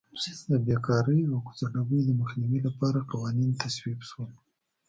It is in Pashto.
د بېکارۍ او کوڅه ډبۍ د مخنیوي لپاره قوانین تصویب شول.